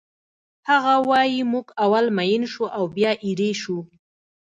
هغه وایی موږ اول مین شو او بیا ایرې شو